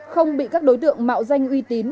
không bị các đối tượng mạo danh uy tín